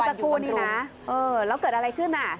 เมื่อสักครู่นี่นะแล้วเกิดอะไรขึ้น